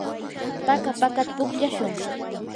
paka pakata pukllashun.